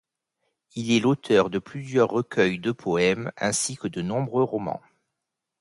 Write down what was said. Il est l'auteur de plusieurs recueils de poèmes ainsi que de nombreux romans.